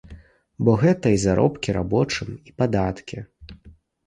Бо гэта і заробкі рабочым, і падаткі.